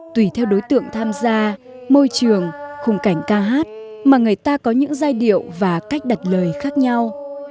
tùy theo đối tượng tham gia môi trường khung cảnh ca hát mà người ta có những giai điệu và cách đặt lời khác nhau